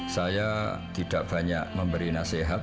saya tidak banyak memberi nasihat